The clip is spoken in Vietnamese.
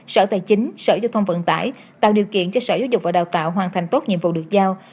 sở tài chính sở giao thông vận tải tạo điều kiện cho sở giáo dục và đào tạo hoàn thành tốt nhiệm vụ được giao